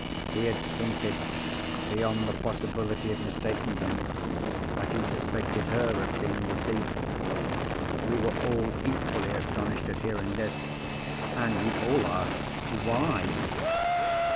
He had hinted, beyond the possibility of mistaking him, that he suspected her of being the thief. We were all equally astonished at hearing this, and we all asked, Why?